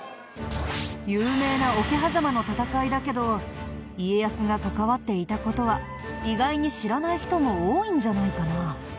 有名な桶狭間の戦いだけど家康が関わっていた事は意外に知らない人も多いんじゃないかな？